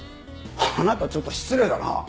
あなたちょっと失礼だなあ。